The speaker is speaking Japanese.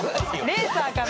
レーサーかな。